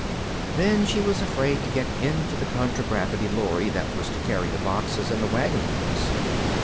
Then she was afraid to get into the contragravity lorry that was to carry the hoes and the wagon wheels.